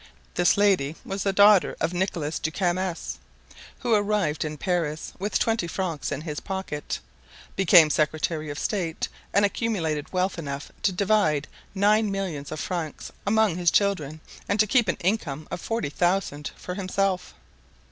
This lady was the daughter of Nicholas de Camus, who arrived in Paris with twenty francs in his pocket, became secretary of state, and accumulated wealth enough to divide nine millions of francs among his children and to keep an income of forty thousand for himself.